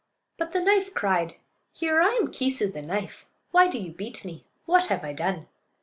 But the knife cried: "Here! I am Kee'soo, the knife. Why do you beat me? What have I done?"